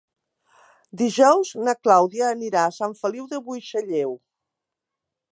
Dijous na Clàudia anirà a Sant Feliu de Buixalleu.